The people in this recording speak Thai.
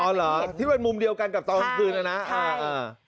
เหรอที่มันมุมเดียวกันกับตอนกลางคืนนะนะ